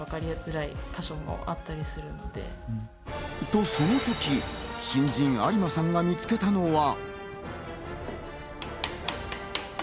と、その時、新人・有馬さんが見つけたのは。